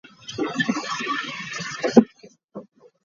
It is owned by Herschend Family Entertainment.